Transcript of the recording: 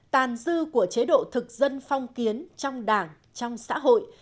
tàn dư của chế độ thực dân phong kiến trong đảng trong xã hội